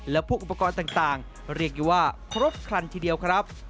และพวกอุปกรณ์ต่างเรียกอยู่ว่าครบครันทีเดียวครับ